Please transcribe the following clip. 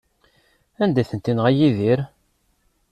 Anda ay tent-yenɣa Yidir?